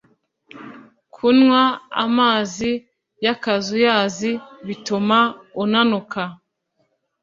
kunywa amazi yakazuyazi bituma unanuka